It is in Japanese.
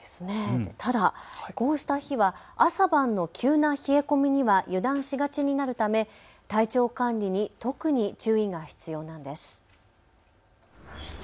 ただこうした日は朝晩の急な冷え込みには油断しがちになるため体調管理に特に注意が必要なんです。